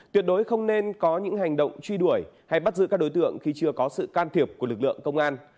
tuyệt đối không nên có những hành động truy đuổi hay bắt giữ các đối tượng khi chưa có sự can thiệp của lực lượng công an